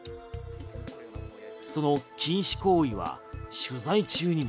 その禁止行為は取材中にも。